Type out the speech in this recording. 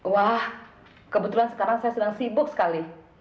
wah kebetulan sekarang saya sedang sibuk sekali